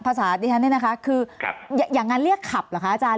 ภาษานี้นะคะคืออย่างนั้นเรียกขับหรือคะอาจารย์